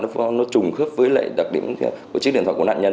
nó trùng khớp với lại đặc điểm của chiếc điện thoại của nạn nhân